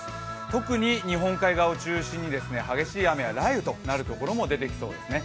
特に日本海側を中心に激しい雨や雷雨となる所も出てきそうですね。